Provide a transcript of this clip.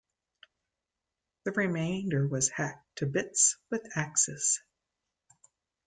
The remainder was hacked to bits with axes...